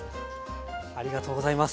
ありがとうございます。